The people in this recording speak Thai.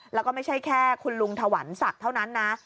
แล้วก็ไม่ใช่แค่คุณลุงถวันศักดิ์เท่านั้นนะ